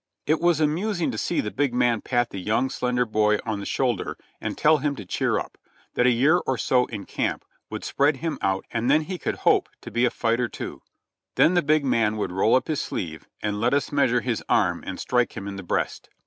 It was amusing to see the big man pat the young, slender boy on the shoulder and tell him to cheer up, that a year or so in camp would spread him out and then he could hope to be a fighter too ; then the big man would roll up his sleeve and let us measure his arm and strike him in the breast.